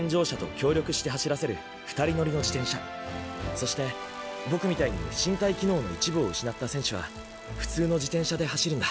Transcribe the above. そしてボクみたいに身体機能の一部を失った選手は普通の自転車で走るんだ。